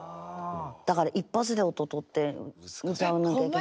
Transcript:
だから一発で音とって歌わなきゃいけないから。